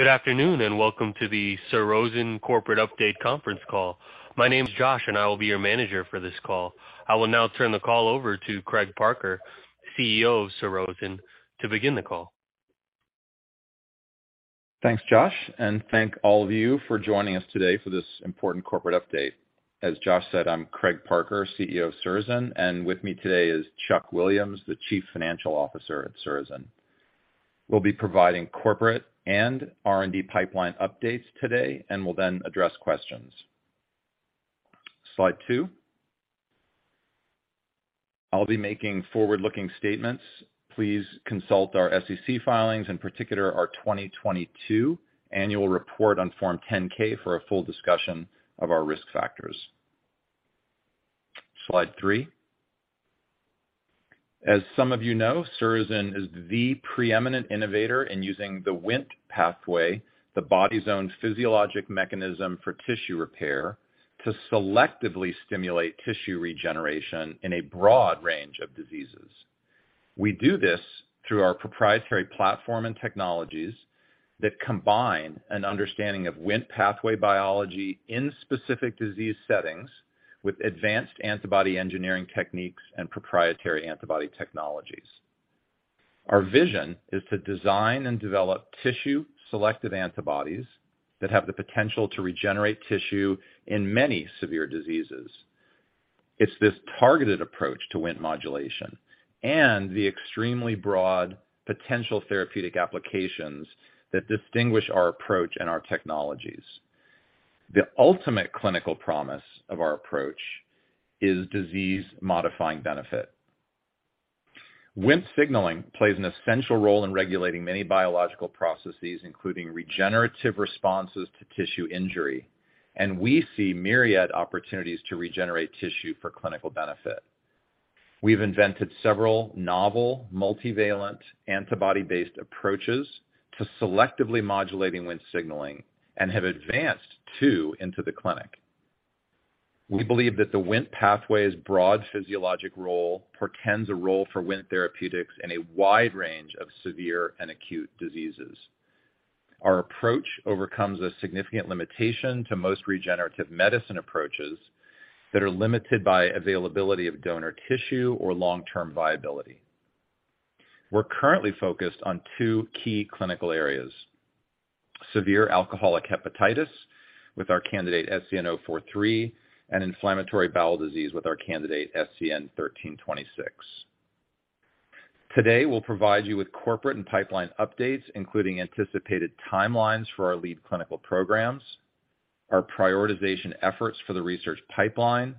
Good afternoon. Welcome to the Surrozen Corporate Update Conference Call. My name is Josh. I will be your manager for this call. I will now turn the call over to Craig Parker, CEO of Surrozen, to begin the call. Thanks, Josh. Thank all of you for joining us today for this important corporate update. As Josh said, I'm Craig Parker, CEO of Surrozen, and with me today is Chuck Williams, the Chief Financial Officer at Surrozen. We'll be providing corporate and R&D pipeline updates today, and we'll then address questions. Slide 2. I'll be making forward-looking statements. Please consult our SEC filings, in particular our 2022 annual report on Form 10-K, for a full discussion of our risk factors. Slide 3. As some of you know, Surrozen is the preeminent innovator in using the Wnt pathway, the body's own physiologic mechanism for tissue repair, to selectively stimulate tissue regeneration in a broad range of diseases. We do this through our proprietary platform and technologies that combine an understanding of Wnt pathway biology in specific disease settings with advanced antibody engineering techniques and proprietary antibody technologies. Our vision is to design and develop tissue-selective antibodies that have the potential to regenerate tissue in many severe diseases. It's this targeted approach to Wnt modulation and the extremely broad potential therapeutic applications that distinguish our approach and our technologies. The ultimate clinical promise of our approach is disease-modifying benefit. Wnt signaling plays an essential role in regulating many biological processes, including regenerative responses to tissue injury, and we see myriad opportunities to regenerate tissue for clinical benefit. We've invented several novel multivalent antibody-based approaches to selectively modulating Wnt signaling and have advanced two into the clinic. We believe that the Wnt pathway's broad physiologic role portends a role for Wnt therapeutics in a wide range of severe and acute diseases. Our approach overcomes a significant limitation to most regenerative medicine approaches that are limited by availability of donor tissue or long-term viability. We're currently focused on two key clinical areas: severe alcoholic hepatitis with our candidate SZN-043, and inflammatory bowel disease with our candidate SZN-1326. Today, we'll provide you with corporate and pipeline updates, including anticipated timelines for our lead clinical programs, our prioritization efforts for the research pipeline,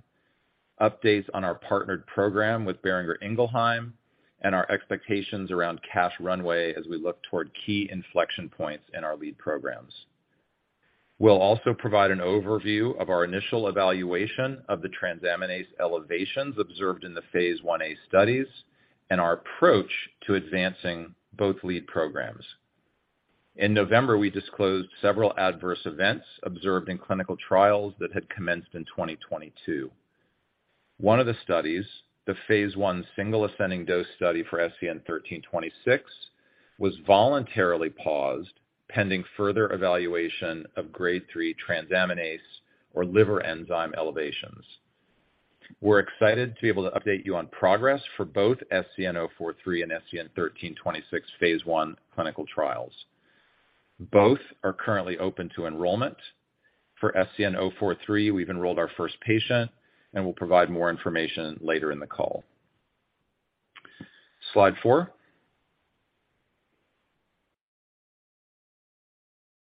updates on our partnered program with Boehringer Ingelheim, and our expectations around cash runway as we look toward key inflection points in our lead programs. We'll also provide an overview of our initial evaluation of the transaminase elevations observed in the Phase 1a studies and our approach to advancing both lead programs. In November, we disclosed several adverse events observed in clinical trials that had commenced in 2022. One of the studies, the Phase I single ascending dose study for SZN-1326, was voluntarily paused pending further evaluation of Grade 3 transaminase or liver enzyme elevations. We're excited to be able to update you on progress for both SZN-043 and SZN-1326 Phase I clinical trials. Both are currently open to enrollment. For SZN-043, we've enrolled our first patient, and we'll provide more information later in the call. Slide 4.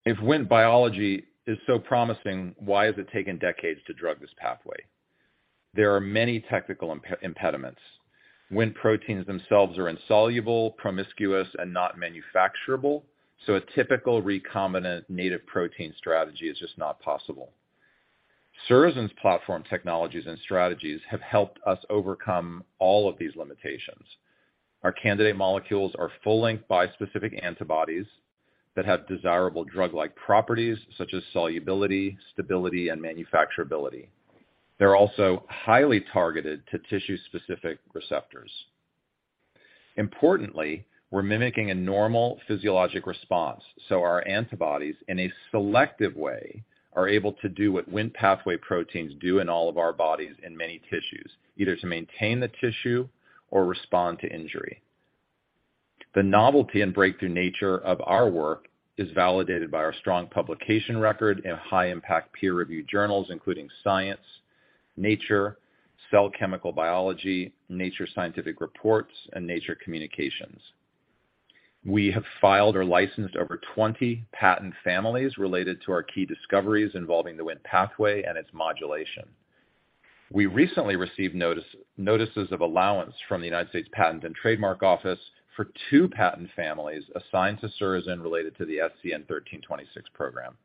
If Wnt biology is so promising, why has it taken decades to drug this pathway? There are many technical impediments. Wnt proteins themselves are insoluble, promiscuous, and not manufacturable, so a typical recombinant native protein strategy is just not possible. Surrozen's platform technologies and strategies have helped us overcome all of these limitations. Our candidate molecules are full-length bispecific antibodies that have desirable drug-like properties such as solubility, stability, and manufacturability. They're also highly targeted to tissue-specific receptors. Importantly, we're mimicking a normal physiologic response, so our antibodies, in a selective way, are able to do what Wnt pathway proteins do in all of our bodies in many tissues, either to maintain the tissue or respond to injury. The novelty and breakthrough nature of our work is validated by our strong publication record in high-impact peer-reviewed journals including Science, Nature, Cell Chemical Biology, Nature Scientific Reports, and Nature Communications. We have filed or licensed over 20 patent families related to our key discoveries involving the Wnt pathway and its modulation. We recently received notices of allowance from the United States Patent and Trademark Office for two patent families assigned to Surrozen related to the SZN-1326 program.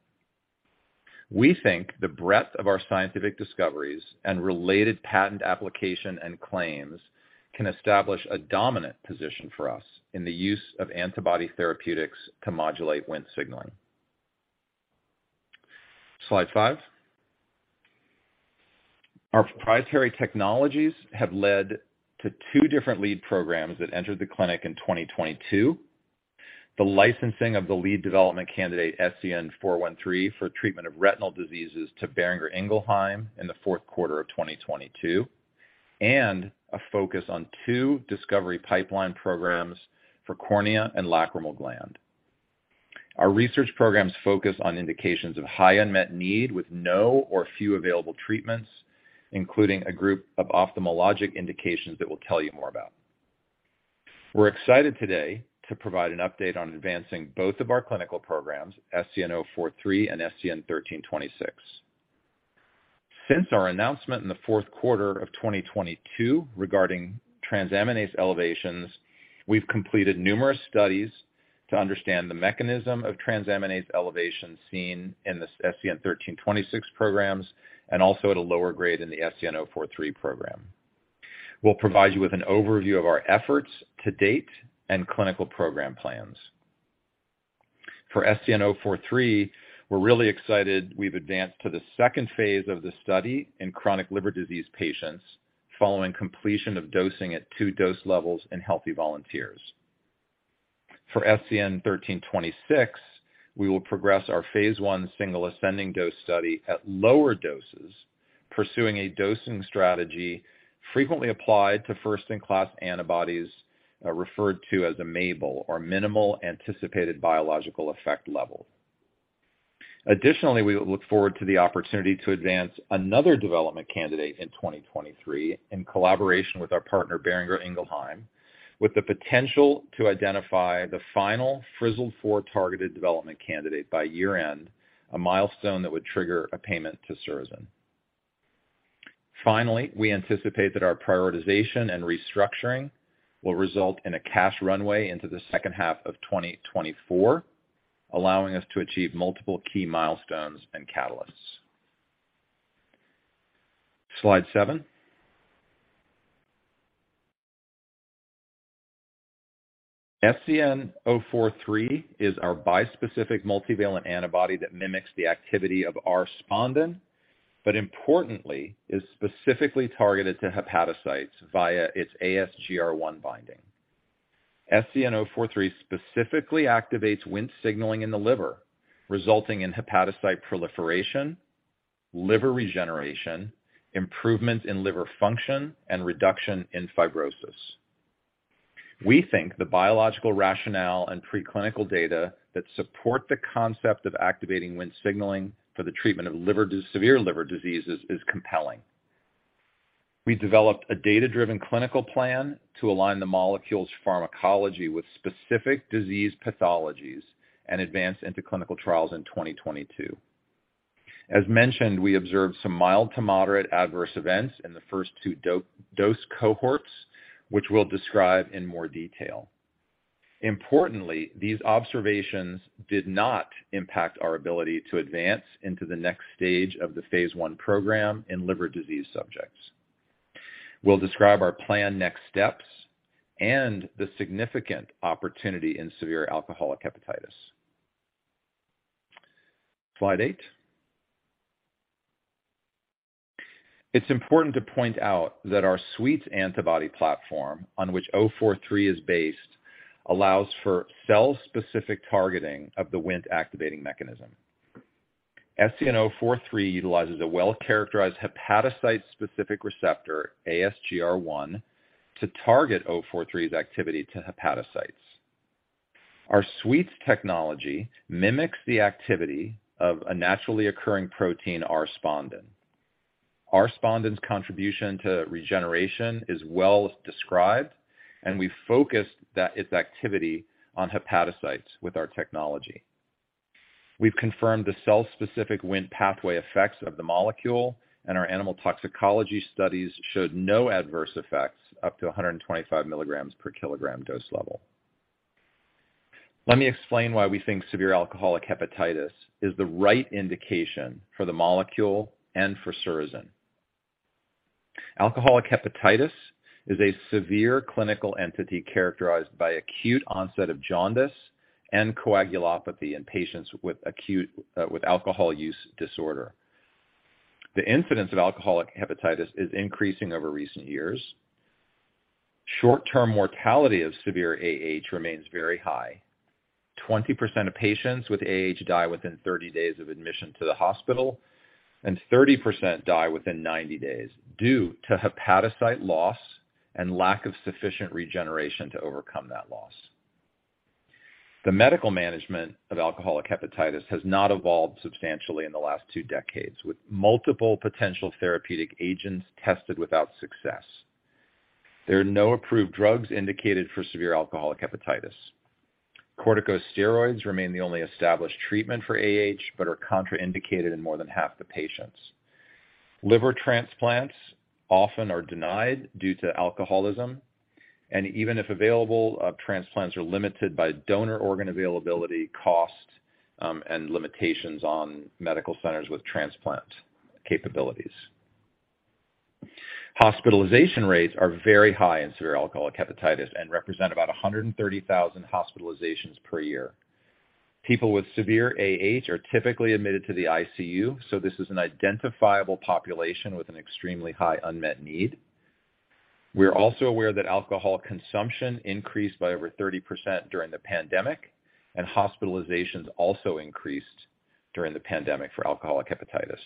We think the breadth of our scientific discoveries and related patent application and claims can establish a dominant position for us in the use of antibody therapeutics to modulate Wnt signaling. Slide 5. Our proprietary technologies have led to two different lead programs that entered the clinic in 2022. The licensing of the lead development candidate, SZN-413, for treatment of retinal diseases to Boehringer Ingelheim in the fourth quarter of 2022, and a focus on two discovery pipeline programs for cornea and lacrimal gland. Our research programs focus on indications of high unmet need with no or few available treatments, including a group of ophthalmologic indications that we'll tell you more about. We're excited today to provide an update on advancing both of our clinical programs, SZN-043 and SZN-1326. Since our announcement in the fourth quarter of 2022 regarding transaminase elevations, we've completed numerous studies to understand the mechanism of transaminase elevations seen in the SZN-1326 programs and also at a lower grade in the SZN-043 program. We'll provide you with an overview of our efforts to date and clinical program plans. For SZN-043, we're really excited we've advanced to the second phase of the study in chronic liver disease patients following completion of dosing at two dose levels in healthy volunteers. For SZN-1326, we will progress our phase 1 single ascending dose study at lower doses, pursuing a dosing strategy frequently applied to first-in-class antibodies, referred to as a MABLE, or minimal anticipated biological effect level. We look forward to the opportunity to advance another development candidate in 2023 in collaboration with our partner, Boehringer Ingelheim, with the potential to identify the final Fzd4-targeted development candidate by year-end, a milestone that would trigger a payment to Surrozen. We anticipate that our prioritization and restructuring will result in a cash runway into the second half of 2024, allowing us to achieve multiple key milestones and catalysts. Slide 7. SZN-043 is our bispecific multivalent antibody that mimics the activity of R-spondin, but importantly is specifically targeted to hepatocytes via its ASGR1 binding. SZN-043 specifically activates Wnt signaling in the liver, resulting in hepatocyte proliferation, liver regeneration, improvement in liver function, and reduction in fibrosis. We think the biological rationale and preclinical data that support the concept of activating Wnt signaling for the treatment of severe liver diseases is compelling. We developed a data-driven clinical plan to align the molecule's pharmacology with specific disease pathologies and advance into clinical trials in 2022. As mentioned, we observed some mild to moderate adverse events in the first two dose cohorts, which we'll describe in more detail. Importantly, these observations did not impact our ability to advance into the next stage of the Phase I program in liver disease subjects. We'll describe our planned next steps and the significant opportunity in severe alcoholic hepatitis. Slide 8. It's important to point out that our SWEETS antibody platform, on which SZN-043 is based, allows for cell-specific targeting of the Wnt activating mechanism. SZN-043 utilizes a well-characterized hepatocyte-specific receptor, ASGR1, to target 043's activity to hepatocytes. Our SWEETS technology mimics the activity of a naturally occurring protein, R-spondin. R-spondin's contribution to regeneration is well described, we focused its activity on hepatocytes with our technology. We've confirmed the cell-specific Wnt pathway effects of the molecule, our animal toxicology studies showed no adverse effects up to 125 milligrams per kilogram dose level. Let me explain why we think severe alcoholic hepatitis is the right indication for the molecule and for Surrozen. Alcoholic hepatitis is a severe clinical entity characterized by acute onset of jaundice and coagulopathy in patients with acute alcohol use disorder. The incidence of alcoholic hepatitis is increasing over recent years. Short-term mortality of severe AH remains very high. 20% of patients with AH die within 30 days of admission to the hospital, and 30% die within 90 days due to hepatocyte loss and lack of sufficient regeneration to overcome that loss. The medical management of alcoholic hepatitis has not evolved substantially in the last 2 decades, with multiple potential therapeutic agents tested without success. There are no approved drugs indicated for severe alcoholic hepatitis. Corticosteroids remain the only established treatment for AH, but are contraindicated in more than half the patients. Liver transplants often are denied due to alcoholism, and even if available, transplants are limited by donor organ availability, cost, and limitations on medical centers with transplant capabilities. Hospitalization rates are very high in severe alcoholic hepatitis and represent about 130,000 hospitalizations per year. People with severe AH are typically admitted to the ICU, so this is an identifiable population with an extremely high unmet need. Also, we're aware that alcohol consumption increased by over 30% during the pandemic, and hospitalizations also increased during the pandemic for alcoholic hepatitis.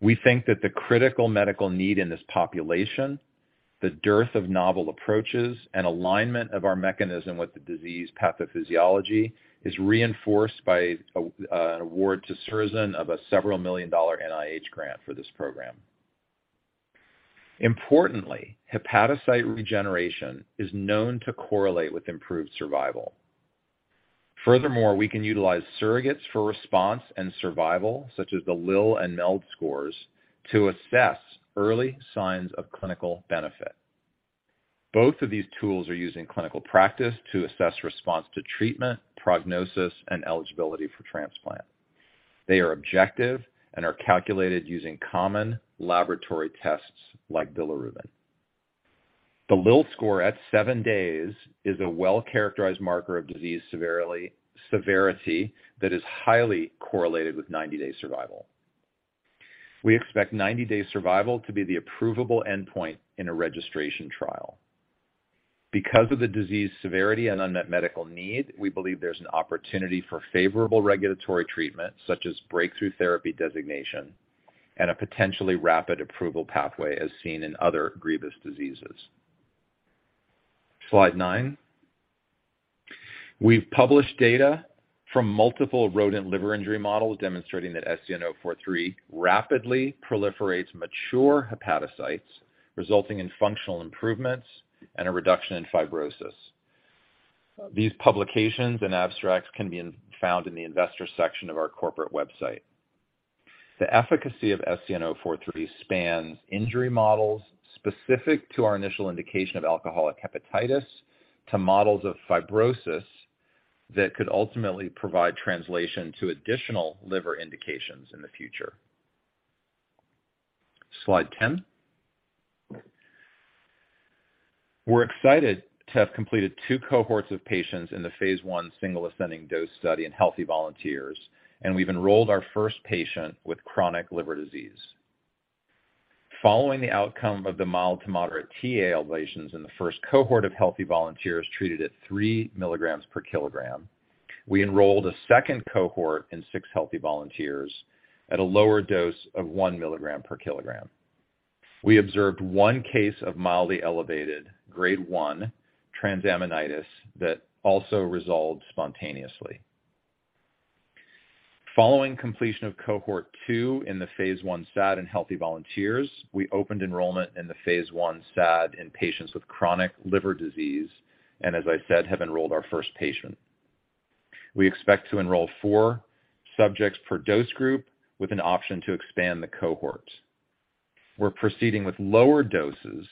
We think that the critical medical need in this population, the dearth of novel approaches, and alignment of our mechanism with the disease pathophysiology is reinforced by an award to Surrozen of a several million dollar NIH grant for this program. Importantly, hepatocyte regeneration is known to correlate with improved survival. Furthermore, we can utilize surrogates for response and survival, such as the Lille and MELD scores, to assess early signs of clinical benefit. Both of these tools are used in clinical practice to assess response to treatment, prognosis, and eligibility for transplant. They are objective and are calculated using common laboratory tests like bilirubin. The Lille score at seven days is a well-characterized marker of disease severity that is highly correlated with 90-day survival. We expect 90-day survival to be the approvable endpoint in a registration trial. Of the disease severity and unmet medical need, we believe there's an opportunity for favorable regulatory treatment, such as breakthrough therapy designation and a potentially rapid approval pathway as seen in other grievous diseases. Slide nine. We've published data from multiple rodent liver injury models demonstrating that SZN-043 rapidly proliferates mature hepatocytes, resulting in functional improvements and a reduction in fibrosis. These publications and abstracts can be found in the investor section of our corporate website. The efficacy of SZN-043 spans injury models specific to our initial indication of alcoholic hepatitis to models of fibrosis that could ultimately provide translation to additional liver indications in the future. Slide 10. We're excited to have completed two cohorts of patients in the phase one single ascending dose study in healthy volunteers, and we've enrolled our first patient with chronic liver disease. Following the outcome of the mild-to-moderate TA elevations in the first cohort of healthy volunteers treated at 3 milligrams per kilogram, we enrolled a second cohort in six healthy volunteers at a lower dose of 1 milligram per kilogram. We observed one case of mildly elevated grade 1 transaminitis that also resolved spontaneously. Following completion of cohort 2 in the phase I SAD in healthy volunteers, we opened enrollment in the phase 1 SAD in patients with chronic liver disease, and as I said, have enrolled our first patient. We expect to enroll four subjects per dose group with an option to expand the cohorts. We're proceeding with lower doses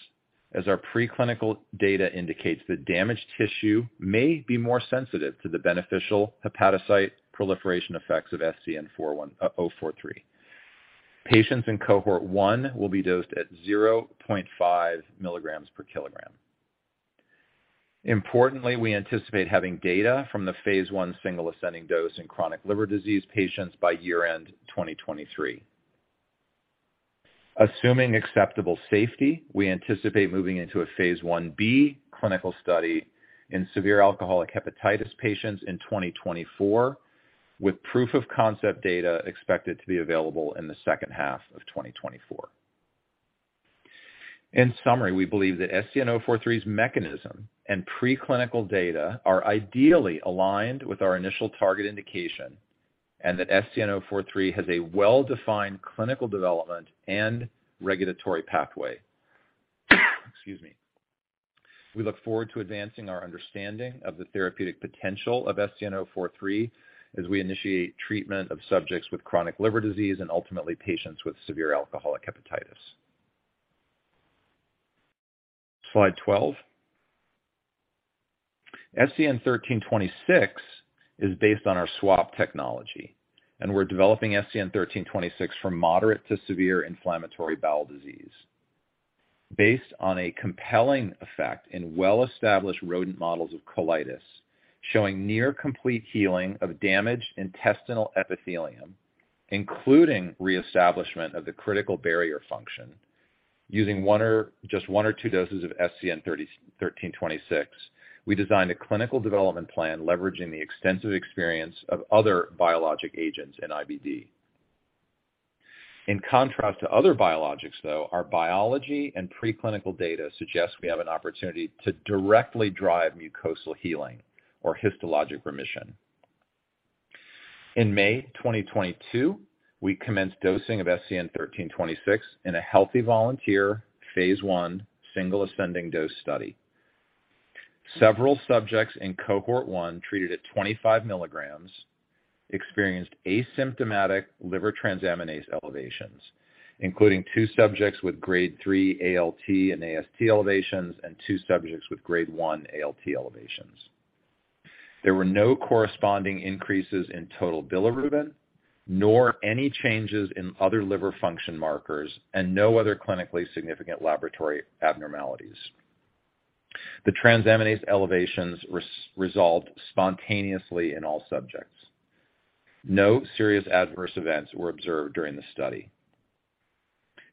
as our preclinical data indicates that damaged tissue may be more sensitive to the beneficial hepatocyte proliferation effects of SZN-043. Patients in cohort 1 will be dosed at 0.5 milligrams per kilogram. Importantly, we anticipate having data from the phase I single ascending dose in chronic liver disease patients by year-end 2023. Assuming acceptable safety, we anticipate moving into a Phase 1b clinical study in severe alcoholic hepatitis patients in 2024, with proof of concept data expected to be available in the second half of 2024. In summary, we believe that SZN-043's mechanism and preclinical data are ideally aligned with our initial target indication, and that SZN-043 has a well-defined clinical development and regulatory pathway. Excuse me. We look forward to advancing our understanding of the therapeutic potential of SZN-043 as we initiate treatment of subjects with chronic liver disease and ultimately patients with severe alcoholic hepatitis. Slide 12. SZN-1326 is based on our SWAP technology, and we're developing SZN-1326 from moderate to severe inflammatory bowel disease. Based on a compelling effect in well-established rodent models of colitis, showing near complete healing of damaged intestinal epithelium, including reestablishment of the critical barrier function. Using one or... just 1 or 2 doses of SZN-1326, we designed a clinical development plan leveraging the extensive experience of other biologic agents in IBD. In contrast to other biologics, though, our biology and preclinical data suggests we have an opportunity to directly drive mucosal healing or histologic remission. In May 2022, we commenced dosing of SZN-1326 in a healthy volunteer phase 1 single ascending dose study. Several subjects in cohort 1 treated at 25 mg experienced asymptomatic liver transaminase elevations, including two subjects with grade 3 ALT and AST elevations and two subjects with grade 1 ALT elevations. There were no corresponding increases in total bilirubin, nor any changes in other liver function markers, and no other clinically significant laboratory abnormalities. The transaminase elevations resolved spontaneously in all subjects. No serious adverse events were observed during the study.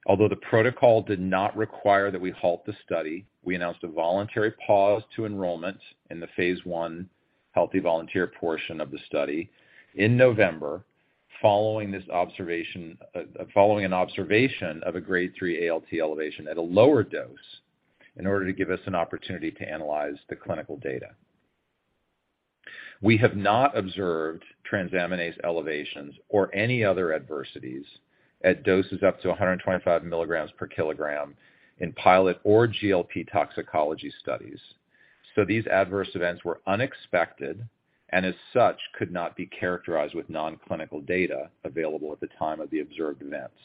Although the protocol did not require that we halt the study, we announced a voluntary pause to enrollment in the phase 1 healthy volunteer portion of the study in November following an observation of a grade 3 ALT elevation at a lower dose in order to give us an opportunity to analyze the clinical data. We have not observed transaminase elevations or any other adversities at doses up to 125 milligrams per kilogram in pilot or GLP toxicology studies. These adverse events were unexpected, and as such, could not be characterized with non-clinical data available at the time of the observed events.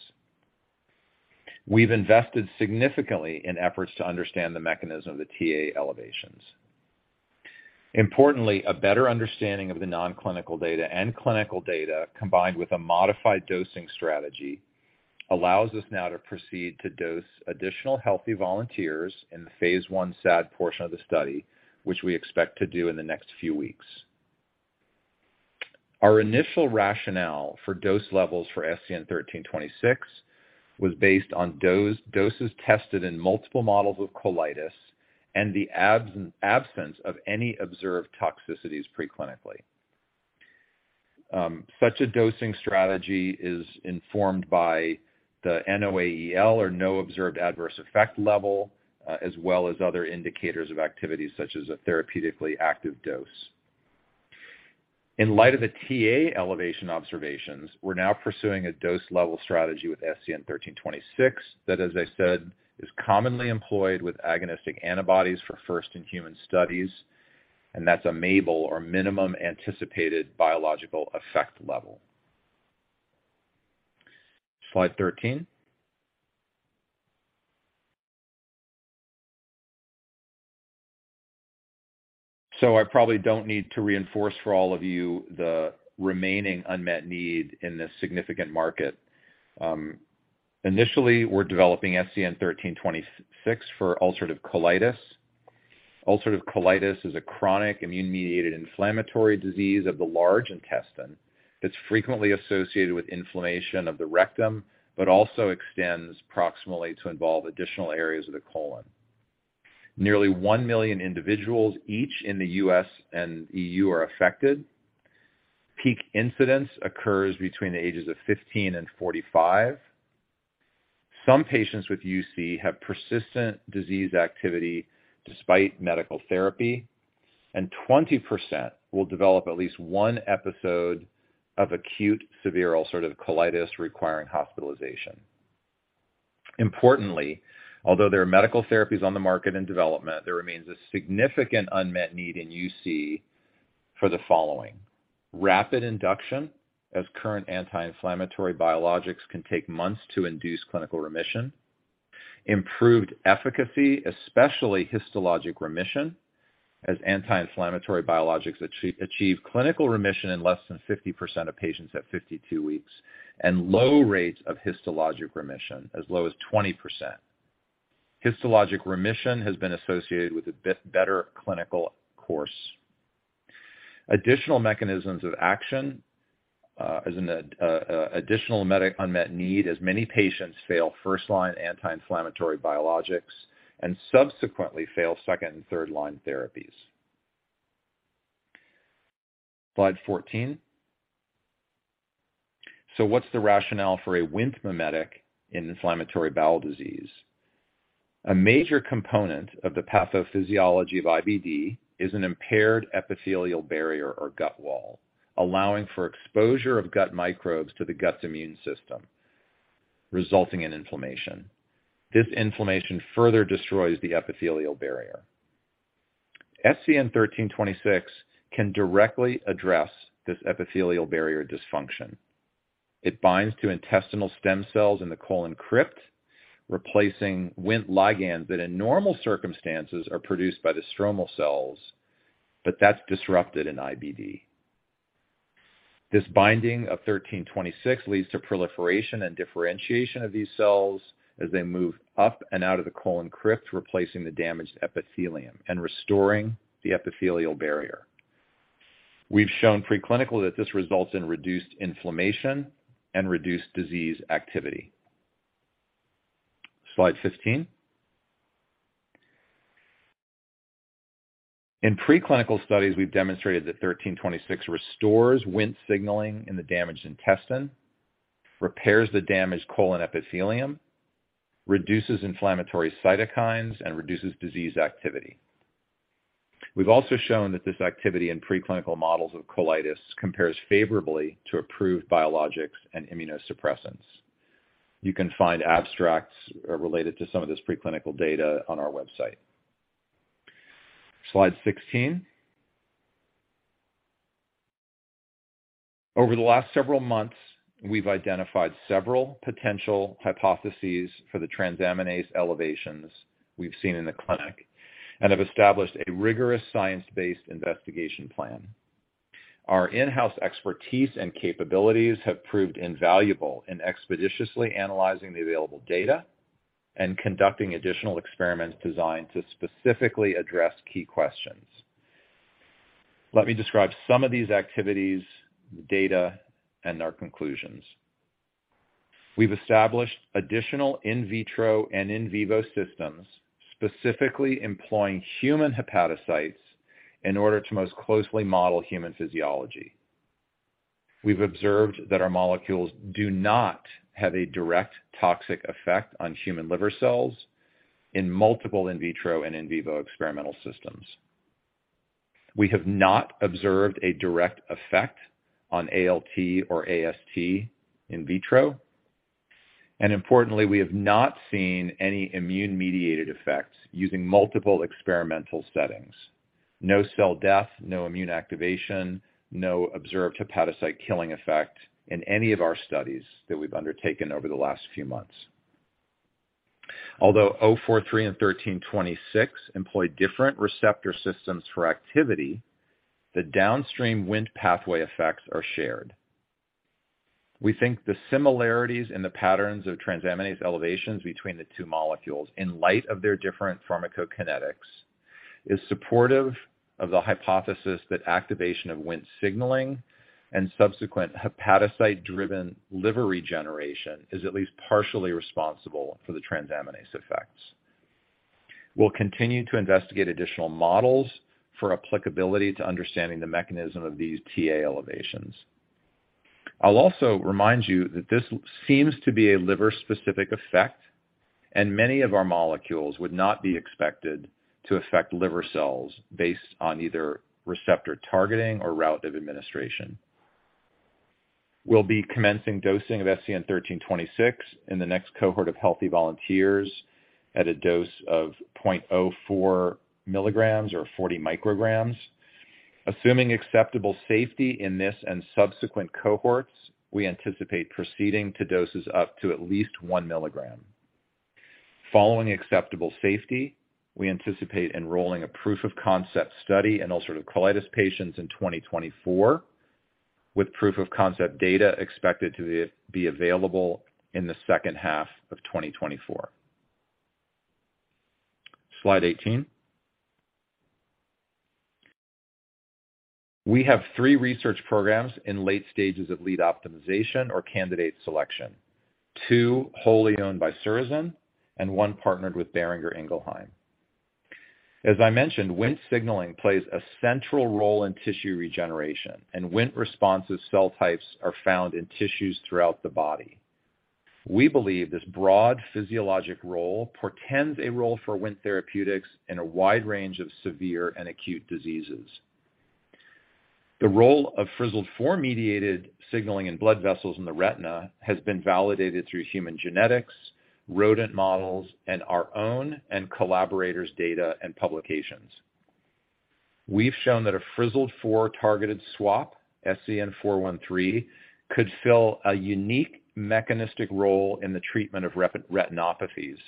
We've invested significantly in efforts to understand the mechanism of the TA elevations. Importantly, a better understanding of the non-clinical data and clinical data, combined with a modified dosing strategy, allows us now to proceed to dose additional healthy volunteers in the phase 1 SAD portion of the study, which we expect to do in the next few weeks. Our initial rationale for dose levels for SZN-1326 was based on doses tested in multiple models of colitis and the absence of any observed toxicities pre-clinically. Such a dosing strategy is informed by the NOAEL, or No Observed Adverse Effect Level, as well as other indicators of activities such as a therapeutically active dose. In light of the TA elevation observations, we're now pursuing a dose level strategy with SZN-1326 that, as I said, is commonly employed with agonistic antibodies for first-in-human studies, and that's a MABLE, or Minimum Anticipated Biological Effect Level. Slide 13. I probably don't need to reinforce for all of you the remaining unmet need in this significant market. Initially, we're developing SZN-1326 for ulcerative colitis. Ulcerative colitis is a chronic immune-mediated inflammatory disease of the large intestine that's frequently associated with inflammation of the rectum, but also extends proximally to involve additional areas of the colon. Nearly 1 million individuals each in the U.S. and EU are affected. Peak incidence occurs between the ages of 15 and 45. Some patients with UC have persistent disease activity despite medical therapy, and 20% will develop at least one episode of acute severe ulcerative colitis requiring hospitalization. Importantly, although there are medical therapies on the market in development, there remains a significant unmet need in UC for the following: rapid induction, as current anti-inflammatory biologics can take months to induce clinical remission; improved efficacy, especially histologic remission, as anti-inflammatory biologics achieve clinical remission in less than 50% of patients at 52 weeks; and low rates of histologic remission, as low as 20%. Histologic remission has been associated with a bit better clinical course. Additional mechanisms of action, as in the additional unmet need, as many patients fail first-line anti-inflammatory biologics and subsequently fail second and third-line therapies. Slide 14. What's the rationale for a Wnt mimetic in inflammatory bowel disease? A major component of the pathophysiology of IBD is an impaired epithelial barrier or gut wall, allowing for exposure of gut microbes to the gut's immune system, resulting in inflammation. This inflammation further destroys the epithelial barrier. SZN-1326 can directly address this epithelial barrier dysfunction. It binds to intestinal stem cells in the colon crypt, replacing Wnt ligands that in normal circumstances are produced by the stromal cells, but that's disrupted in IBD. This binding of 1326 leads to proliferation and differentiation of these cells as they move up and out of the colon crypt, replacing the damaged epithelium and restoring the epithelial barrier. We've shown preclinical that this results in reduced inflammation and reduced disease activity. Slide 15. In preclinical studies, we've demonstrated that 1326 restores Wnt signaling in the damaged intestine, repairs the damaged colon epithelium, reduces inflammatory cytokines, and reduces disease activity. We've also shown that this activity in preclinical models of colitis compares favorably to approved biologics and immunosuppressants. You can find abstracts related to some of this preclinical data on our website. Slide 16. Over the last several months, we've identified several potential hypotheses for the transaminase elevations we've seen in the clinic, and have established a rigorous science-based investigation plan. Our in-house expertise and capabilities have proved invaluable in expeditiously analyzing the available data and conducting additional experiments designed to specifically address key questions. Let me describe some of these activities, data, and our conclusions. We've established additional in vitro and in vivo systems, specifically employing human hepatocytes in order to most closely model human physiology. We've observed that our molecules do not have a direct toxic effect on human liver cells in multiple in vitro and in vivo experimental systems. We have not observed a direct effect on ALT or AST in vitro, and importantly, we have not seen any immune-mediated effects using multiple experimental settings. No cell death, no immune activation, no observed hepatocyte killing effect in any of our studies that we've undertaken over the last few months. Although SZN-043 and SZN-1326 employ different receptor systems for activity, the downstream Wnt pathway effects are shared. We think the similarities in the patterns of transaminase elevations between the two molecules in light of their different pharmacokinetics is supportive of the hypothesis that activation of Wnt signaling and subsequent hepatocyte-driven liver regeneration is at least partially responsible for the transaminase effects. We'll continue to investigate additional models for applicability to understanding the mechanism of these TA elevations. I'll also remind you that this seems to be a liver-specific effect, and many of our molecules would not be expected to affect liver cells based on either receptor targeting or route of administration. We'll be commencing dosing of SZN-1326 in the next cohort of healthy volunteers at a dose of 0.04 milligrams or 40 micrograms. Assuming acceptable safety in this and subsequent cohorts, we anticipate proceeding to doses up to at least 1 milligram. Following acceptable safety, we anticipate enrolling a proof-of-concept study in ulcerative colitis patients in 2024, with proof-of-concept data expected to be available in the second half of 2024. Slide 18. We have three research programs in late stages of lead optimization or candidate selection, two wholly owned by Surrozen and one partnered with Boehringer Ingelheim. As I mentioned, Wnt signaling plays a central role in tissue regeneration, Wnt responses cell types are found in tissues throughout the body. We believe this broad physiologic role portends a role for Wnt Therapeutics in a wide range of severe and acute diseases. The role of Fzd4-mediated signaling in blood vessels in the retina has been validated through human genetics, rodent models, and our own and collaborators' data and publications. We've shown that a Fzd4 targeted SWAP, SZN-413, could fill a unique mechanistic role in the treatment of retinopathies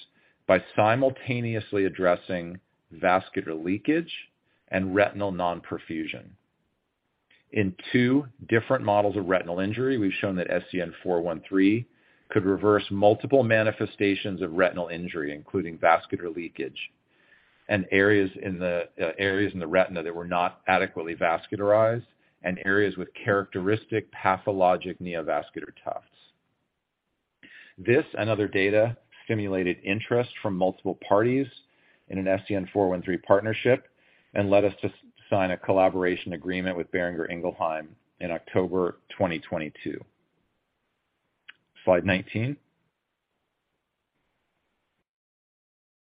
by simultaneously addressing vascular leakage and retinal non-perfusion. In 2 different models of retinal injury, we've shown that SZN-413 could reverse multiple manifestations of retinal injury, including vascular leakage and areas in the retina that were not adequately vascularized and areas with characteristic pathologic neovascular tufts. This and other data stimulated interest from multiple parties in an SZN-413 partnership and led us to sign a collaboration agreement with Boehringer Ingelheim in October 2022. Slide 19.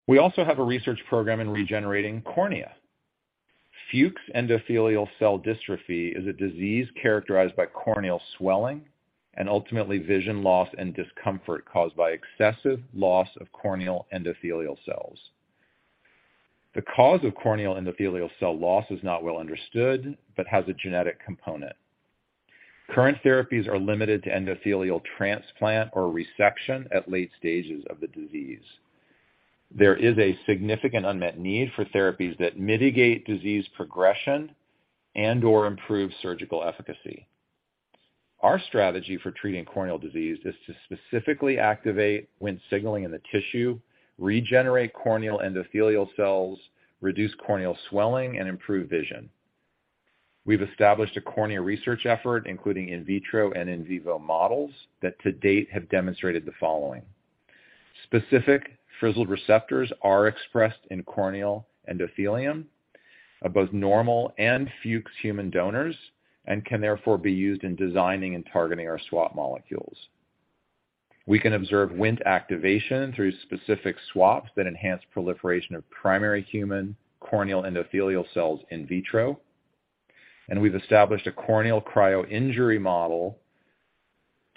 We also have a research program in regenerating cornea. Fuchs endothelial dystrophy is a disease characterized by corneal swelling and ultimately vision loss and discomfort caused by excessive loss of corneal endothelial cells. The cause of corneal endothelial cell loss is not well understood but has a genetic component. Current therapies are limited to endothelial transplant or resection at late stages of the disease. There is a significant unmet need for therapies that mitigate disease progression and/or improve surgical efficacy. Our strategy for treating corneal disease is to specifically activate Wnt signaling in the tissue, regenerate corneal endothelial cells, reduce corneal swelling, and improve vision. We've established a cornea research effort, including in vitro and in vivo models that to date have demonstrated the following. Specific Fzd receptors are expressed in corneal endothelium of both normal and Fuchs human donors and can therefore be used in designing and targeting our SWAP molecules. We can observe Wnt activation through specific SWAPs that enhance proliferation of primary human corneal endothelial cells in vitro, and we've established a corneal cryoinjury model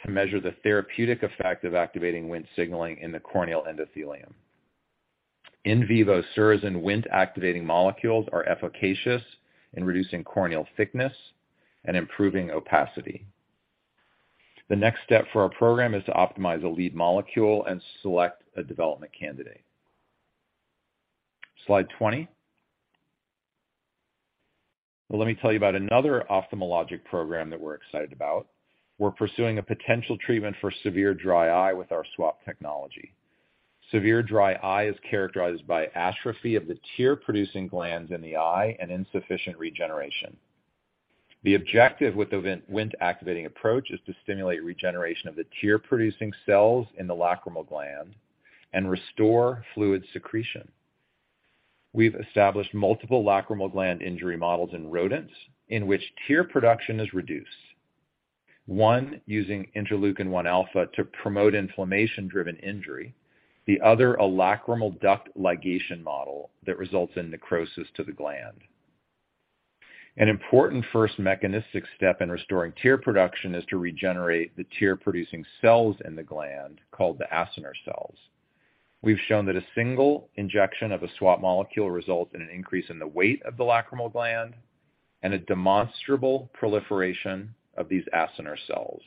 to measure the therapeutic effect of activating Wnt signaling in the corneal endothelium. In vivo Wnt activating molecules are efficacious in reducing corneal thickness and improving opacity. The next step for our program is to optimize a lead molecule and select a development candidate. Slide 20. Well, let me tell you about another ophthalmologic program that we're excited about. We're pursuing a potential treatment for severe dry eye with our SWAP technology. Severe dry eye is characterized by atrophy of the tear-producing glands in the eye and insufficient regeneration. The objective with the Wnt activating approach is to stimulate regeneration of the tear-producing cells in the lacrimal gland and restore fluid secretion. We've established multiple lacrimal gland injury models in rodents in which tear production is reduced. One using interleukin-1 alpha to promote inflammation-driven injury. The other, a lacrimal duct ligation model that results in necrosis to the gland. An important first mechanistic step in restoring tear production is to regenerate the tear-producing cells in the gland called the acinar cells. We've shown that a single injection of a SWAP molecule results in an increase in the weight of the lacrimal gland and a demonstrable proliferation of these acinar cells.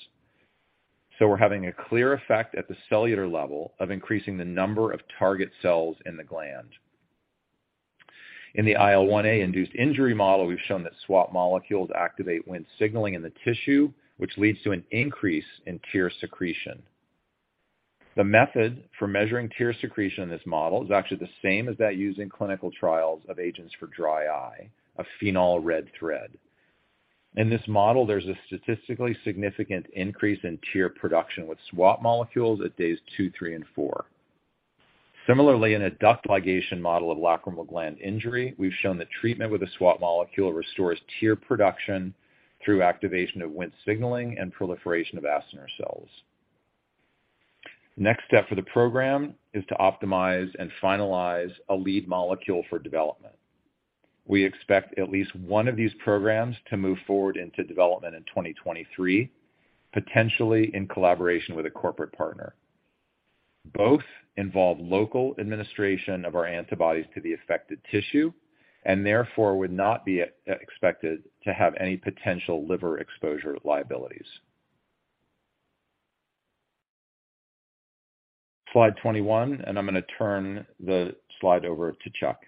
We're having a clear effect at the cellular level of increasing the number of target cells in the gland. In the IL-1α-induced injury model, we've shown that SWAP molecules activate Wnt signaling in the tissue, which leads to an increase in tear secretion. The method for measuring tear secretion in this model is actually the same as that used in clinical trials of agents for dry eye, a phenol red thread. In this model, there's a statistically significant increase in tear production with SWAP molecules at days two, three, and four. Similarly, in a duct ligation model of lacrimal gland injury, we've shown that treatment with a SWAP molecule restores tear production through activation of Wnt signaling and proliferation of acinar cells. Next step for the program is to optimize and finalize a lead molecule for development. We expect at least one of these programs to move forward into development in 2023, potentially in collaboration with a corporate partner. Both involve local administration of our antibodies to the affected tissue, and therefore would not be expected to have any potential liver exposure liabilities. Slide 21, I'm gonna turn the slide over to Chuck.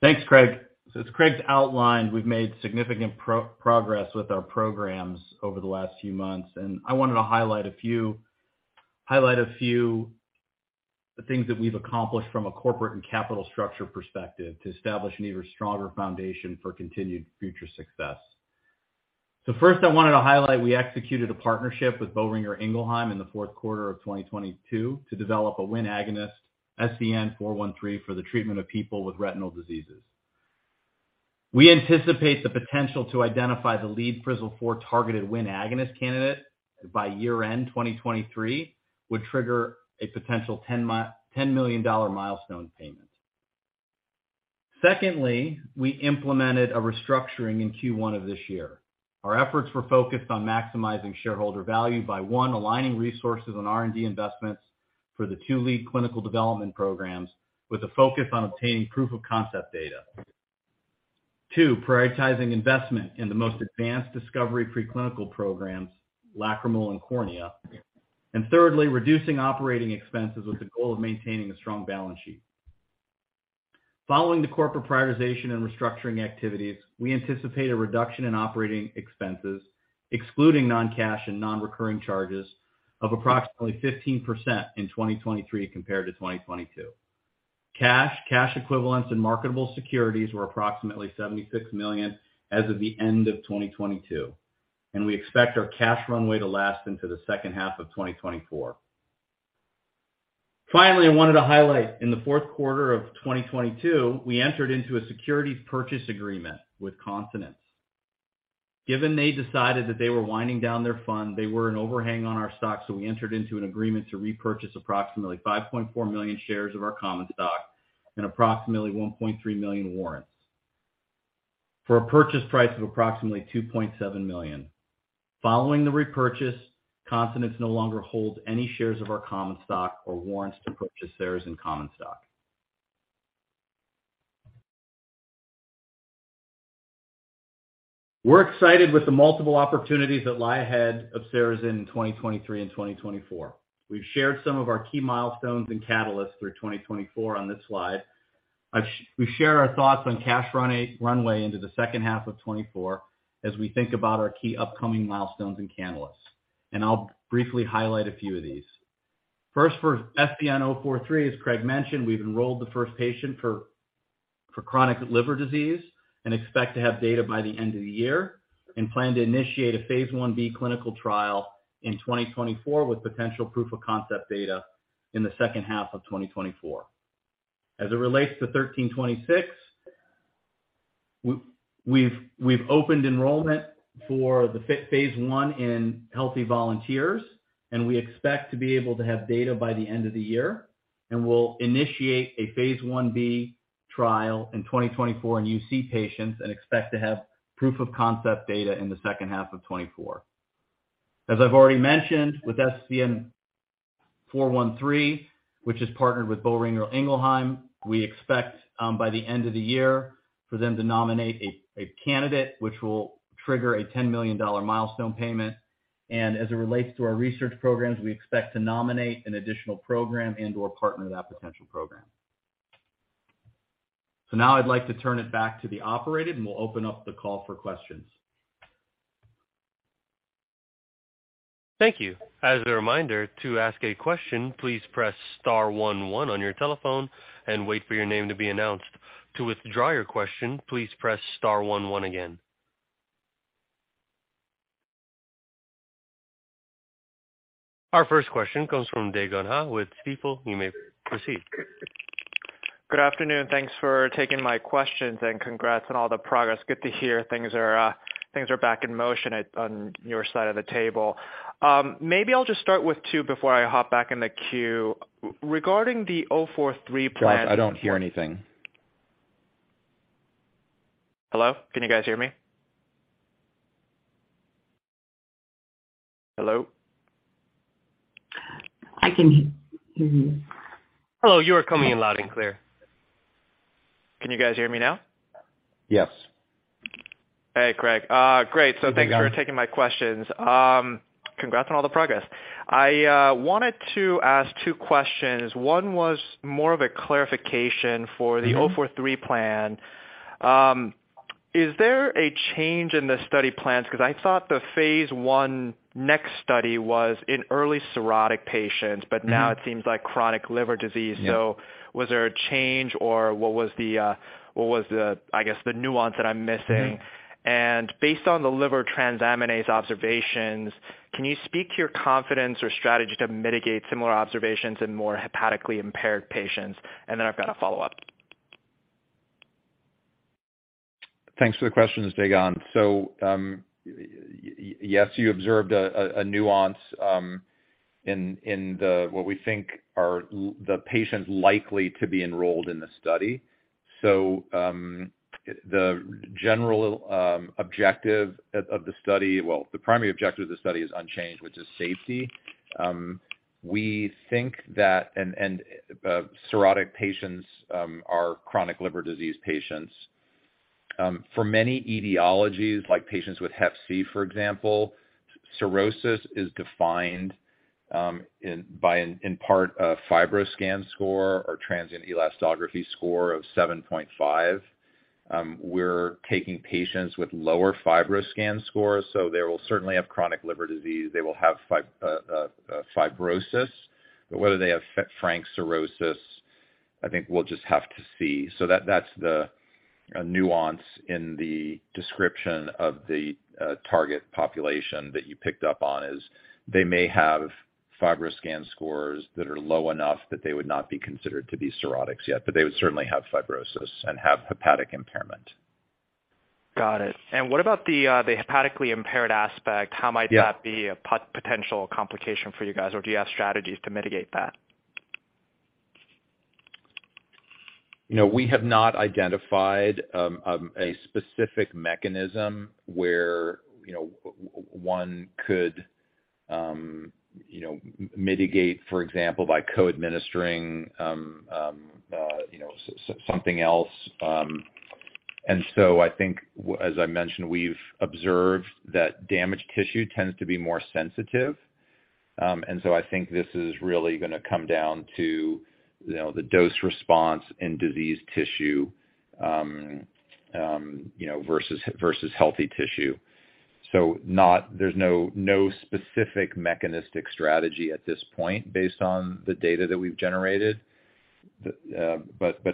Thanks, Craig. As Craig's outlined, we've made significant progress with our programs over the last few months, and I wanted to highlight a few things that we've accomplished from a corporate and capital structure perspective to establish an even stronger foundation for continued future success. First, I wanted to highlight, we executed a partnership with Boehringer Ingelheim in the fourth quarter of 2022 to develop a Wnt agonist, SZN-413, for the treatment of people with retinal diseases. We anticipate the potential to identify the lead Frizzled-4 targeted Wnt agonist candidate by year-end 2023 would trigger a potential $10 million milestone payment. Secondly, we implemented a restructuring in Q1 of this year. Our efforts were focused on maximizing shareholder value by, 1, aligning resources on R&D investments for the 2 lead clinical development programs with a focus on obtaining proof of concept data. 2, prioritizing investment in the most advanced discovery preclinical programs, lacrimal and cornea. 3, reducing operating expenses with the goal of maintaining a strong balance sheet. Following the corporate prioritization and restructuring activities, we anticipate a reduction in operating expenses, excluding non-cash and non-recurring charges, of approximately 15% in 2023 compared to 2022. Cash, cash equivalents, and marketable securities were approximately $76 million as of the end of 2022, and we expect our cash runway to last into the second half of 2024. Finally, I wanted to highlight, in the fourth quarter of 2022, we entered into a securities purchase agreement with Consonance. Given they decided that they were winding down their fund, they were an overhang on our stock, so we entered into an agreement to repurchase approximately 5.4 million shares of our common stock and approximately 1.3 million warrants for a purchase price of approximately $2.7 million. Following the repurchase, Consonance no longer holds any shares of our common stock or warrants to purchase shares and common stock. We're excited with the multiple opportunities that lie ahead of Surrozen in 2023 and 2024. We've shared some of our key milestones and catalysts through 2024 on this slide. We share our thoughts on cash runway into the second half of 2024 as we think about our key upcoming milestones and catalysts, and I'll briefly highlight a few of these. For SZN-043, as Craig mentioned, we've enrolled the first patient for chronic liver disease and expect to have data by the end of the year and plan to initiate a Phase 1b clinical trial in 2024, with potential proof of concept data in the second half of 2024. As it relates to SZN-1326, we've opened enrollment for the phase 1 in healthy volunteers, and we expect to be able to have data by the end of the year. We'll initiate a Phase 1b trial in 2024 in UC patients and expect to have proof of concept data in the second half of 2024. As I've already mentioned, with SZN-413, which is partnered with Boehringer Ingelheim, we expect by the end of the year for them to nominate a candidate which will trigger a $10 million milestone payment. As it relates to our research programs, we expect to nominate an additional program and/or partner that potential program. Now I'd like to turn it back to the operator, and we'll open up the call for questions. Thank you. As a reminder, to ask a question, please press star 11 on your telephone and wait for your name to be announced. To withdraw your question, please press star 11 again. Our first question comes from Dagon Huh with Stifel. You may proceed. Good afternoon. Thanks for taking my questions and congrats on all the progress. Good to hear things are back in motion at, on your side of the table. Maybe I'll just start with two before I hop back in the queue. Regarding the 043 plan. Dagon, I don't hear anything. Hello? Can you guys hear me? Hello? I can hear you. Hello, you are coming in loud and clear. Can you guys hear me now? Yes. Hey, Craig. Great. Hey, Dagon. Thanks for taking my questions. Congrats on all the progress. I wanted to ask two questions. One was more of a clarification for the SZN-043 plan. Is there a change in the study plans? 'Cause I thought the phase I next study was in early cirrhotic patients, but now it seems like chronic liver disease. Yeah. Was there a change or what was the, I guess, the nuance that I'm missing? Mm-hmm. Based on the liver transaminase observations, can you speak to your confidence or strategy to mitigate similar observations in more hepatically impaired patients? I've got a follow-up. Thanks for the questions, Dagon. Yes, you observed a nuance in the patients likely to be enrolled in the study. The general objective of the study. Well, the primary objective of the study is unchanged, which is safety. We think that. Cirrhotic patients are chronic liver disease patients. For many etiologies, like patients with hep C, for example, cirrhosis is defined in part by a FibroScan score or transient elastography score of 7.5. We're taking patients with lower FibroScan scores, so they will certainly have chronic liver disease. They will have fibrosis, but whether they have frank cirrhosis, I think we'll just have to see. That's the nuance in the description of the target population that you picked up on, is they may have FibroScan scores that are low enough that they would not be considered to be cirrhotics yet, but they would certainly have fibrosis and have hepatic impairment. Got it. What about the hepatically impaired aspect? Yeah. How might that be a potential complication for you guys, or do you have strategies to mitigate that? You know, we have not identified a specific mechanism where, you know, one could, you know, mitigate, for example, by co-administering, you know, something else. I think, as I mentioned, we've observed that damaged tissue tends to be more sensitive. I think this is really gonna come down to, you know, the dose response in diseased tissue, you know, versus healthy tissue. There's no specific mechanistic strategy at this point based on the data that we've generated.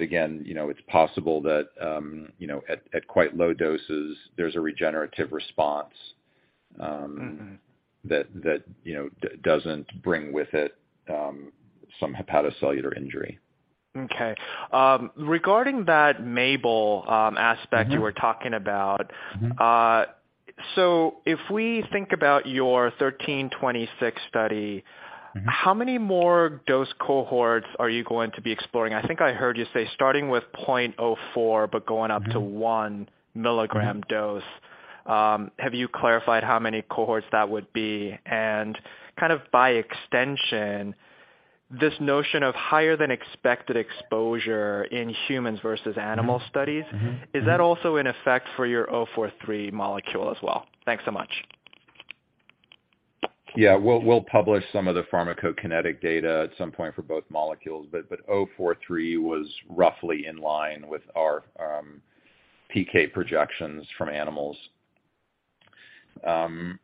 Again, you know, it's possible that, you know, at quite low doses, there's a regenerative response. Mm-hmm that, you know, doesn't bring with it, some hepatocellular injury. Okay. Regarding that MABLE. Mm-hmm you were talking about. Mm-hmm. if we think about your SZN-1326 study. Mm-hmm... how many more dose cohorts are you going to be exploring? I think I heard you say starting with 0.04 but going up to 1 milligram dose. Have you clarified how many cohorts that would be? Kind of by extension, this notion of higher than expected exposure in humans versus animal studies. Mm-hmm, mm-hmm.... is that also in effect for your SZN-043 molecule as well? Thanks so much. Yeah. We'll publish some of the pharmacokinetic data at some point for both molecules, but SZN-043 was roughly in line with our PK projections from animals. You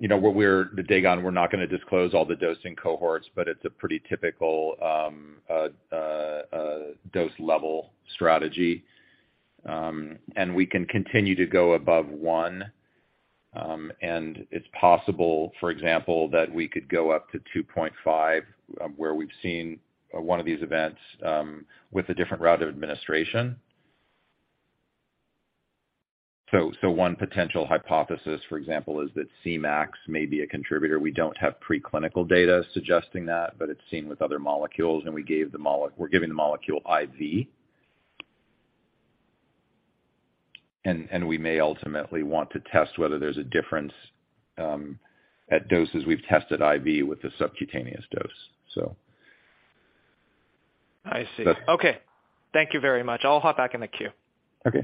know, Dagon, we're not gonna disclose all the dosing cohorts, but it's a pretty typical dose level strategy. We can continue to go above 1. It's possible, for example, that we could go up to 2.5, where we've seen one of these events with a different route of administration. One potential hypothesis, for example, is that Cmax may be a contributor. We don't have preclinical data suggesting that, but it's seen with other molecules, and we're giving the molecule IV. We may ultimately want to test whether there's a difference, at doses we've tested IV with the subcutaneous dose. I see. That's- Okay. Thank you very much. I'll hop back in the queue. Okay.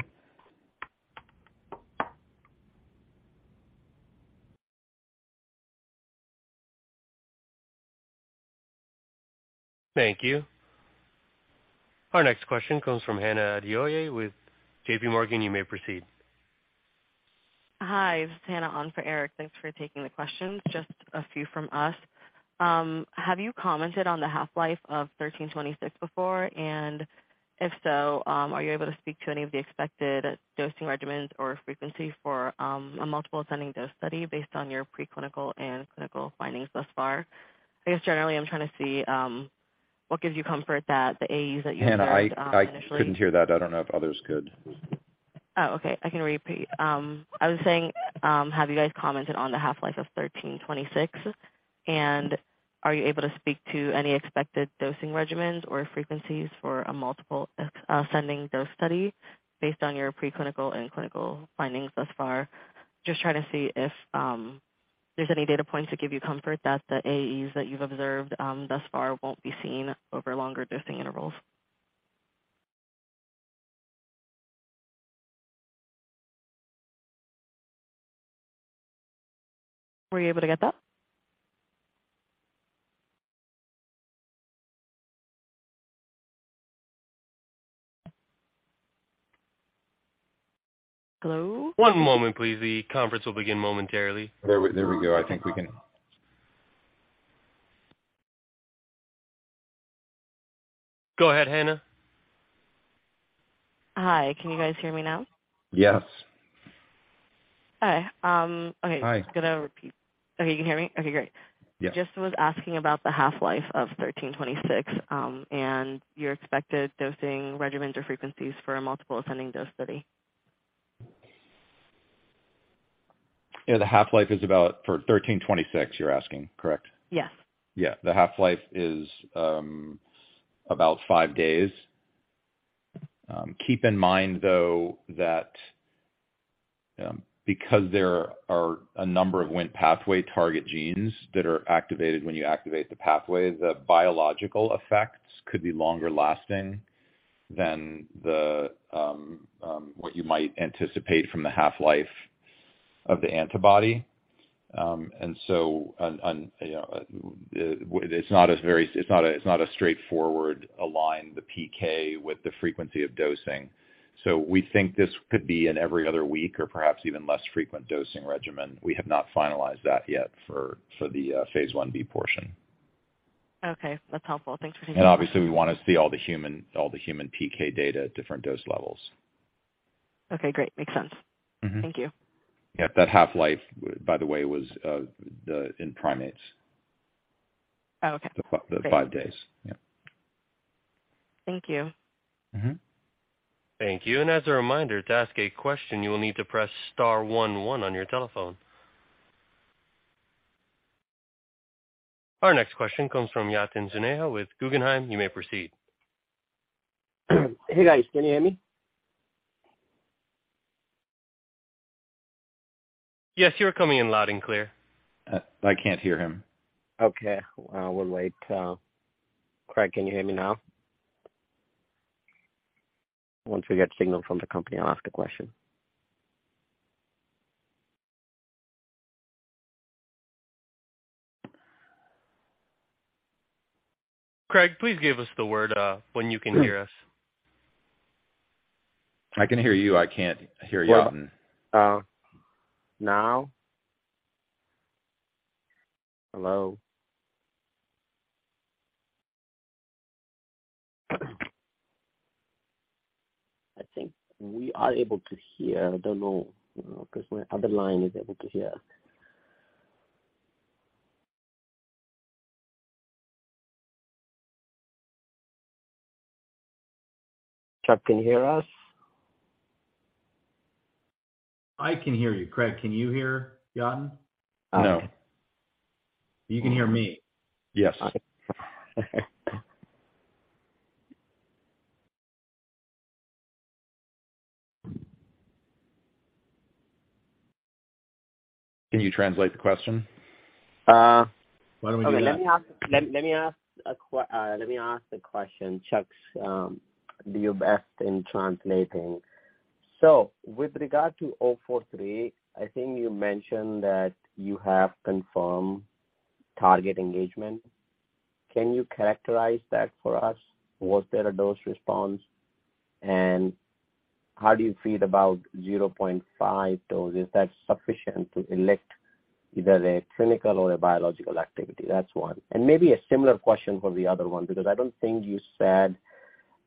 Thank you. Our next question comes from Hannah Adeoye with J.P. Morgan. You may proceed. Hi, this is Hannah on for Eric. Thanks for taking the questions. Just a few from us. Have you commented on the half-life of SZN-1326 before? If so, are you able to speak to any of the expected dosing regimens or frequency for a multiple ascending dose study based on your preclinical and clinical findings thus far? I guess generally I'm trying to see what gives you comfort that the AEs that you observed initially- Hannah, I couldn't hear that. I don't know if others could. Oh, okay. I can repeat. I was saying, have you guys commented on the half-life of SZN-1326? Are you able to speak to any expected dosing regimens or frequencies for a multiple ascending dose study based on your preclinical and clinical findings thus far? Just trying to see if there's any data points that give you comfort that the AEs that you've observed thus far won't be seen over longer dosing intervals. Were you able to get that? Hello? One moment please. The conference will begin momentarily. There we go. I think we can. Go ahead, Hannah. Hi. Can you guys hear me now? Yes. Hi. Okay. Hi. I'm just gonna repeat. Okay, you can hear me? Okay, great. Yes. Just was asking about the half-life of SZN-1326 and your expected dosing regimens or frequencies for a multiple ascending dose study. Yeah, the half-life is about... For SZN-1326 you're asking, correct? Yes. Yeah. The half-life is about 5 days. Keep in mind though that because there are a number of Wnt pathway target genes that are activated when you activate the pathway, the biological effects could be longer lasting than the what you might anticipate from the half-life of the antibody. You know, it's not a, it's not a straightforward align the PK with the frequency of dosing. We think this could be an every other week or perhaps even less frequent dosing regimen. We have not finalized that yet for the Phase 1b portion. That's helpful. Thanks for Obviously we wanna see all the human PK data at different dose levels. Okay, great. Makes sense. Mm-hmm. Thank you. Yeah. That half-life, by the way, was, the, in primates. Oh, okay. The five days. Yeah. Thank you. Mm-hmm. Thank you. As a reminder, to ask a question you will need to press star one one on your telephone. Our next question comes from Yatin Suneja with Guggenheim. You may proceed. Hey, guys. Can you hear me? Yes, you're coming in loud and clear. I can't hear him. Okay. We'll wait. Craig, can you hear me now? Once we get signal from the company, I'll ask a question. Craig, please give us the word, when you can hear us. I can hear you. I can't hear Yatin. Now? Hello? I think we are able to hear. I don't know, you know, 'cause my other line is able to hear. Chuck, can you hear us? I can hear you. Craig, can you hear Yatin? No. You can hear me. Yes. Can you translate the question? Uh. Why don't we do that? Let me ask the question. Chuck, do your best in translating. With regard to 043, I think you mentioned that you have confirmed target engagement. Can you characterize that for us? Was there a dose response? And how do you feel about 0.5 dose? Is that sufficient to elect either a clinical or a biological activity? That's one. Maybe a similar question for the other one, because I don't think you said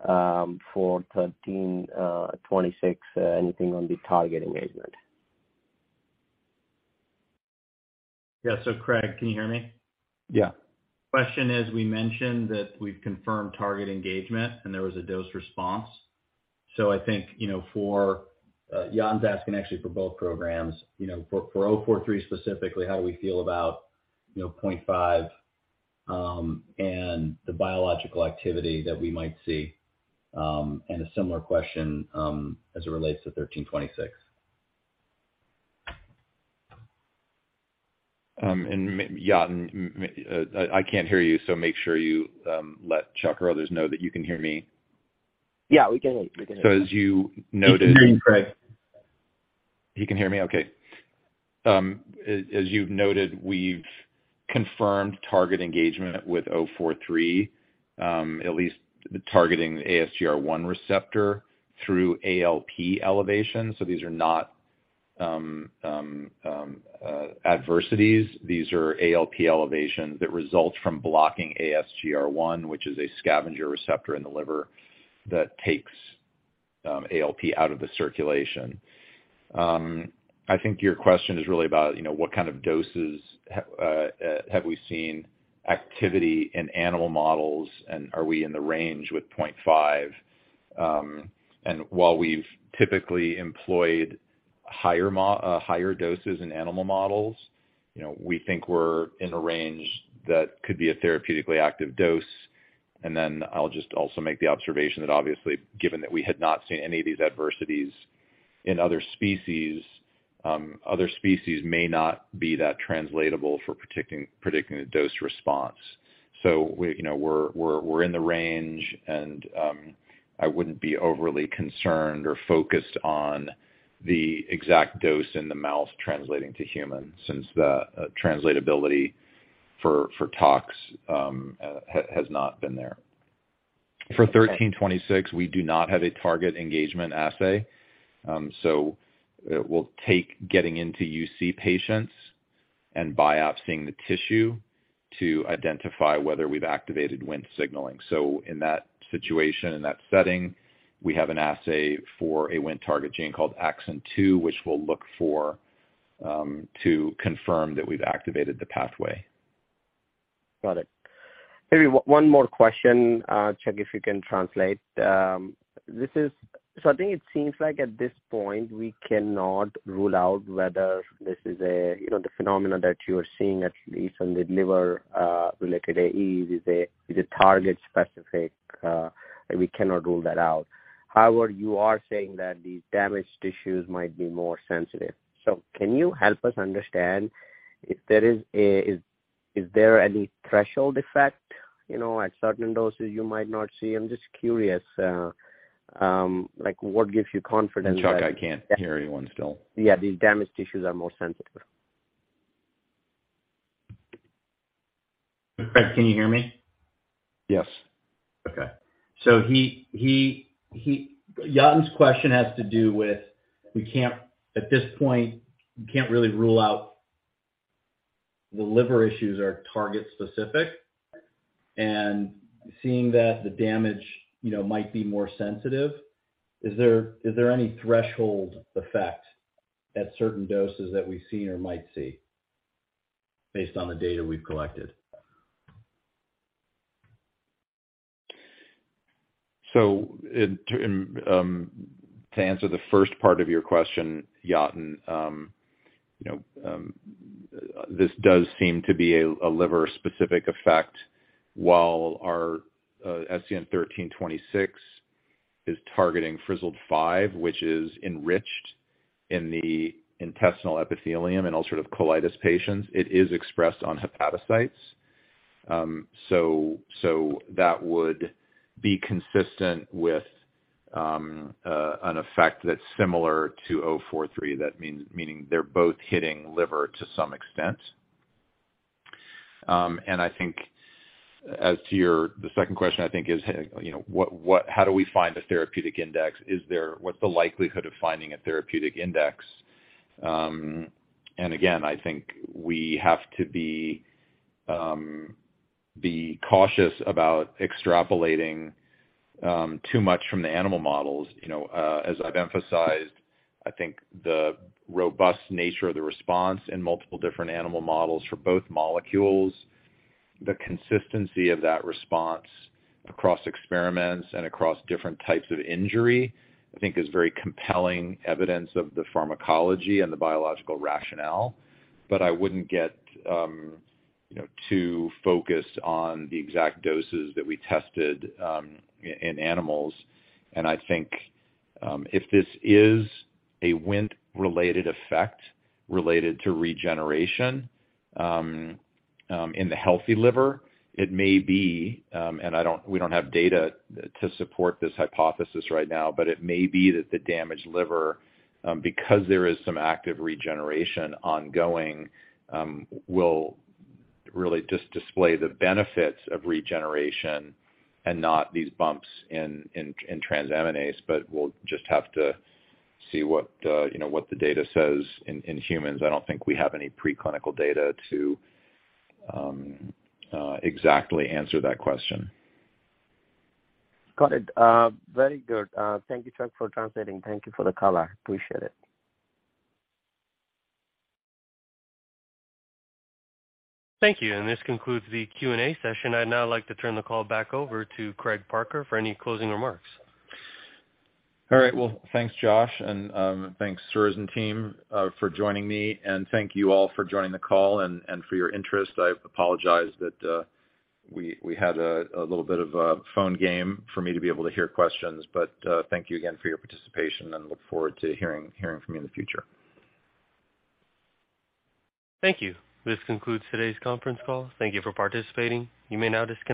for 1326 anything on the target engagement. Yeah. Craig, can you hear me? Yeah. Question is, we mentioned that we've confirmed target engagement, and there was a dose response. I think, you know, for Yatin's asking actually for both programs. You know, for 043 specifically, how do we feel about, you know, 0.5, and the biological activity that we might see, and a similar question as it relates to 1326? Yatin, I can't hear you, so make sure you let Chuck or others know that you can hear me. Yeah, we can hear you. We can hear you. as you noted- We can hear you, Craig. You can hear me? Okay. As you've noted, we've confirmed target engagement with SZN-043, at least targeting the ASGR1 receptor through ALP elevation. These are not adversities. These are ALP elevations that result from blocking ASGR1, which is a scavenger receptor in the liver that takes ALP out of the circulation. I think your question is really about, you know, what kind of doses have we seen activity in animal models and are we in the range with 0.5. While we've typically employed higher doses in animal models, you know, we think we're in a range that could be a therapeutically active dose. I'll just also make the observation that obviously, given that we had not seen any of these adversities in other species, other species may not be that translatable for predicting the dose response. We, you know, we're in the range, and I wouldn't be overly concerned or focused on the exact dose in the mouse translating to human, since the translatability for tox has not been there. For SZN-1326, we do not have a target engagement assay, so it will take getting into UC patients and biopsying the tissue to identify whether we've activated Wnt signaling. In that situation, in that setting, we have an assay for a Wnt target gene called AXIN2, which we'll look for to confirm that we've activated the pathway. Got it. Maybe one more question. Chuck, if you can translate. I think it seems like at this point, we cannot rule out whether this is a, you know, the phenomena that you're seeing, at least in the liver, related AE, is a target specific, and we cannot rule that out. However, you are saying that these damaged tissues might be more sensitive. Can you help us understand if there is any threshold effect? You know, at certain doses you might not see. I'm just curious, like, what gives you confidence that- Chuck, I can't hear you on still. Yeah, these damaged tissues are more sensitive. Craig, can you hear me? Yes. Okay. Yatin's question has to do with we can't, at this point, we can't really rule out the liver issues are target specific. Seeing that the damage, you know, might be more sensitive, is there any threshold effect at certain doses that we've seen or might see based on the data we've collected? To answer the first part of your question, Yatin, you know, this does seem to be a liver-specific effect. While our SZN-1326 is targeting FZD5, which is enriched in the intestinal epithelium in ulcerative colitis patients, it is expressed on hepatocytes. That would be consistent with an effect that's similar to 043. That means, meaning they're both hitting liver to some extent. I think as to your, the second question I think is, you know, how do we find a therapeutic index? What's the likelihood of finding a therapeutic index? Again, I think we have to be cautious about extrapolating too much from the animal models. You know, as I've emphasized, I think the robust nature of the response in multiple different animal models for both molecules, the consistency of that response across experiments and across different types of injury, I think is very compelling evidence of the pharmacology and the biological rationale. I wouldn't get, you know, too focused on the exact doses that we tested in animals. I think, if this is a Wnt-related effect related to regeneration, in the healthy liver, it may be, and we don't have data to support this hypothesis right now, but it may be that the damaged liver, because there is some active regeneration ongoing, will really just display the benefits of regeneration and not these bumps in transaminase. we'll just have to see what, you know, what the data says in humans. I don't think we have any preclinical data to exactly answer that question. Got it. Very good. Thank you, Chuck, for translating. Thank you for the color. Appreciate it. Thank you. This concludes the Q&A session. I'd now like to turn the call back over to Craig Parker for any closing remarks. All right. Well, thanks, Josh, and thanks, Surrozen and team for joining me. Thank you all for joining the call and for your interest. I apologize that we had a little bit of a phone game for me to be able to hear questions, but thank you again for your participation and look forward to hearing from you in the future. Thank you. This concludes today's conference call. Thank you for participating. You may now disconnect.